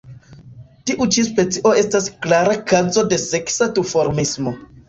Tiu ĉi specio estas klara kazo de seksa duformismo.